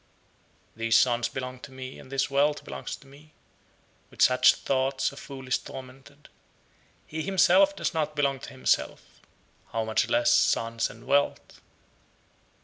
62. "These sons belong to me, and this wealth belongs to me," with such thoughts a fool is tormented. He himself does not belong to himself; how much less sons and wealth?